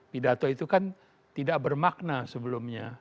pidato itu kan tidak bermakna sebelumnya